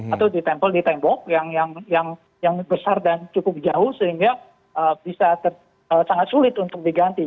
atau ditempel di tembok yang besar dan cukup jauh sehingga bisa sangat sulit untuk diganti